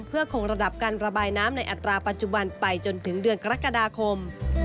เพื่อคงระดับการระบายน้ำในอัตราปัจจุบันไปจนถึงเดือนกรกฎาคม